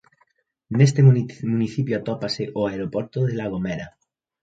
Neste municipio atópase o aeroporto de La Gomera.